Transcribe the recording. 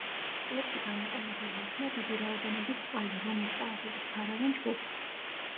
კლიპში გამოყენებული იქნა დიდი რაოდენობის წყალი, რომლის ტალღების ფარავენ ჯგუფს.